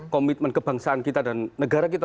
komitmen kebangsaan kita dan negara kita